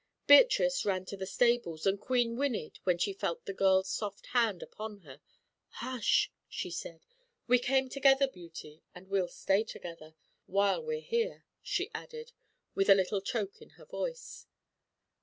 Beatrice ran to the stables, and Queen whinnied when she felt the girl's soft hand upon her. "Hush," she said, "we came together, Beauty, and we'll stay together while we're here," she added, with a little choke in her voice.